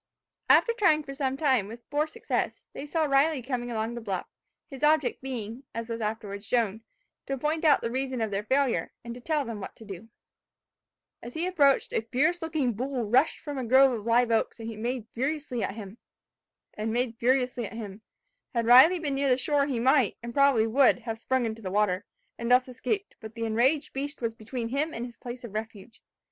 After trying for some time, with poor success, they saw Riley coming along the bluff; his object being, as was afterwards shown, to point out the reason of their failure, and to tell them what to do. As he approached, a fierce looking bull rushed from a grove of live oaks, and made furiously at him. Had Riley been near the shore he might, and probably would, have sprung into the water, and thus escaped; but the enraged beast was between him and his place of refuge.